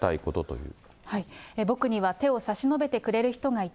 僕には手を差し伸べてくれる人がいた。